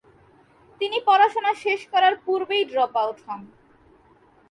তিনি পড়াশুনা শেষ করার পূর্বেই ড্রপ আউট হন।